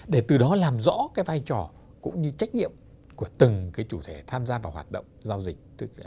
để từ đó làm rõ cái vai trò cũng như trách nhiệm của từng cái chủ thể tham gia vào hoạt động giao dịch